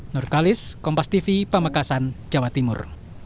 nur kalis kompas tv pamekasan jawa timur